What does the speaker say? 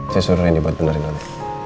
saya suruh reni buat benerin aja